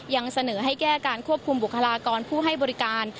ยังเสนอให้แก้การควบคุมบุคลากรผู้ให้บริการ